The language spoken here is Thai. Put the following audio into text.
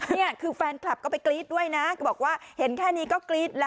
นี่คือแฟนคลับก็ไปกรี๊ดด้วยนะบอกว่าเห็นแค่นี้ก็กรี๊ดแล้ว